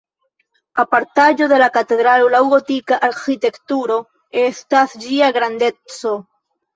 Apartaĵo de la katedralo laŭ gotika arĥitekturo estas ĝia grandeco.